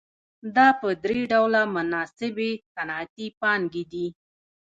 دا په درې ډوله مناسبې صنعتي پانګې دي